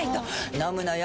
飲むのよ